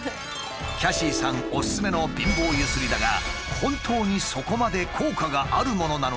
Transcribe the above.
キャシーさんおすすめの貧乏ゆすりだが本当にそこまで効果があるものなのだろうか？